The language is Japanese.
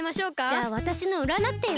じゃあわたしのうらなってよ。